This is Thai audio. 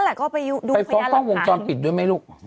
นั่นแหละก็ไปฟ้องฟ้องวงจรปิดด้วยไหมลูก